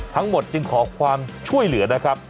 ทั้งหมดจึงขอความช่วยเหลือนะครับ